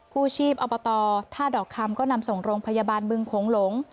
กู้ชีพอบตท่าดอกคำก็นำส่งโรงพยาบาลบึงโขงหลง